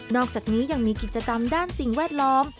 อกจากนี้ยังมีกิจกรรมด้านสิ่งแวดล้อม